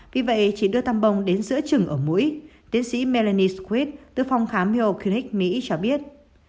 vì vậy chỉ đưa tăm bông đến giữa trừng ở mũi tiến sĩ melanie swift từ phòng khám hyokunic mỹ cho biết